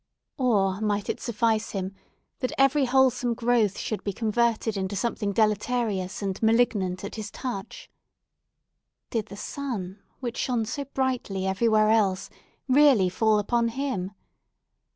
Or might it suffice him that every wholesome growth should be converted into something deleterious and malignant at his touch? Did the sun, which shone so brightly everywhere else, really fall upon him?